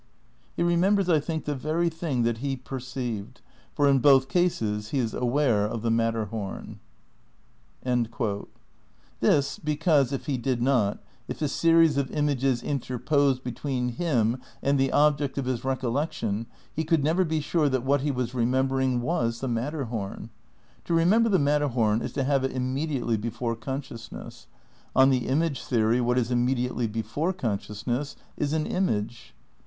He remembers, I think, the very thing that he perceived ... for in both cases he is aware of the Matterhom." ' TMs, because, if lie did not, if a series of images interposed between him and the object of his recollec tion he could never be sure that what he was remember ing was the Matterhom. To remember the Matterhom is to have it immediately before consciousness. On the image theory what is immediately before conscious ness is an image.